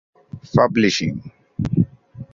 Publishing.